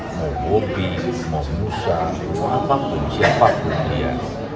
mau bobi mau musa mau apapun siapapun dia